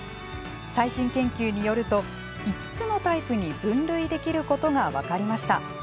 最新研究によると５つのタイプに分類できることが分かりました。